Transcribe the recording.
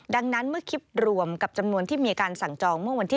ดังนั้นเมื่อคลิปรวมกับจำนวนที่มีการสั่งจองเมื่อวันที่๑